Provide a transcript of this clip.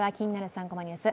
３コマニュース」